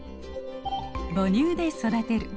「母乳で育てる」。